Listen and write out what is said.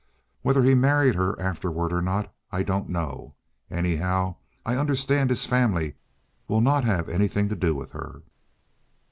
Whether he married her afterward or not, I don't know. Anyhow, I understand his family will not have anything to do with her."